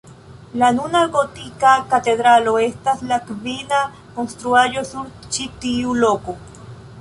La nuna gotika katedralo estas la kvina konstruaĵo sur ĉi tiu loko.